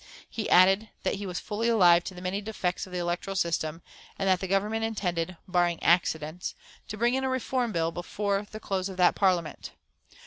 He added that he was fully alive to the many defects of the electoral system, and that the Government intended, "barring accidents," to bring in a reform bill before the close of that Parliament.